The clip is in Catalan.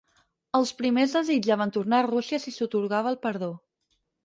Els primers desitjaven tornar a Rússia si s'atorgava el perdó.